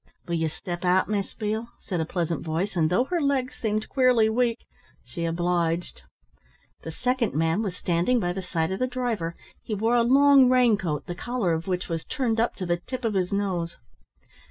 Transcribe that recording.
"Will you step out, Miss Beale," said a pleasant voice, and though her legs seemed queerly weak, she obliged. The second man was standing by the side of the driver. He wore a long raincoat, the collar of which was turned up to the tip of his nose.